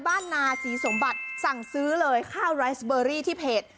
นาศรีสมบัติสั่งซื้อเลยข้าวไรสเบอรี่ที่เพจ